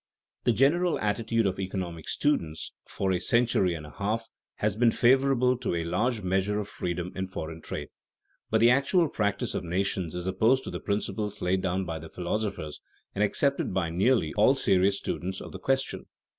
_ The general attitude of economic students for a century and a half has been favorable to a large measure of freedom in foreign trade. But the actual practice of nations is opposed to the principles laid down by the philosophers and accepted by nearly all serious students of the question.